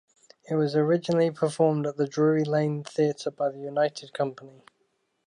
It was originally performed at the Drury Lane Theatre by the United Company.